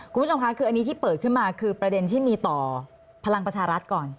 คุณผู้ชมค่ะคืออันนี้ที่เปิดขึ้นมาคือประเด็นที่มีต่อพลังประชารัฐก่อน